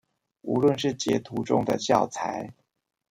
無論是截圖中的教材